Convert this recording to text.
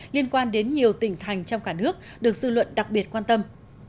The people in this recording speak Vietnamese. liên quan đến nhiều tỉnh thành trong cả nước được dư luận đặc biệt quan tâm